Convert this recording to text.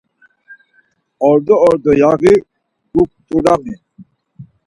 Ordo ordo yaği gukturami?